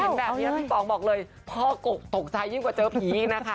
เห็นแบบนี้พี่ป๋องบอกเลยพ่อกกตกใจยิ่งกว่าเจอผีอีกนะคะ